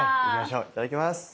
いただきます。